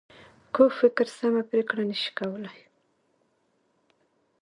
کوږ فکر سمه پرېکړه نه شي کولای